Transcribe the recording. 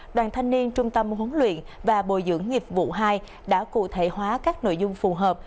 đoàn thanh niên trung tâm huấn luyện và bồi dưỡng nghiệp vụ hai đã cụ thể hóa các nội dung phù hợp